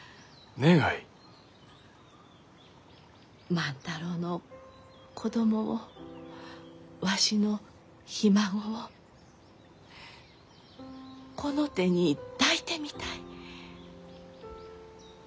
万太郎の子供をわしのひ孫をこの手に抱いてみたい。